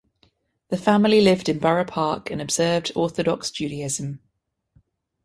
The family lived in Borough Park and observed Orthodox Judaism.